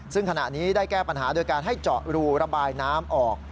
ซึ่งขณะนี้ได้แก้ปัญหาโดยการให้เจาะรูระบายน้ำออก